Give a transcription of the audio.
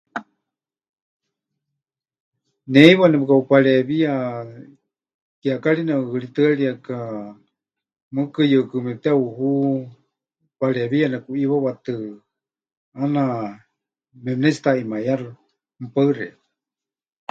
Ne heiwa nepɨkaʼupareewiya kiekari neʼuhɨritɨ́arieka, mɨɨkɨ yɨkɨ mepɨteʼuhu, pareewiya nekuʼíwawatɨ ʼaana mepɨnétsiˀutaʼimaiyaxɨ. Mɨpaɨ xeikɨ́a.